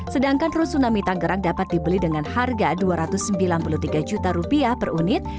sedangkan rusuh nami tangerang dapat dibeli dengan harga dua ratus sembilan puluh tiga juta rupiah per unit